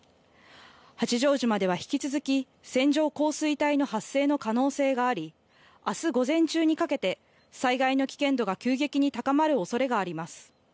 八丈島では引き続き、線状降水帯の発生の可能性があり、あす午前中にかけて、災害の危険度が急激に高まるおそれがあります。